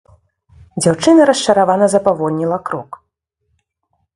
Дзяўчына расчаравана запавольніла крок.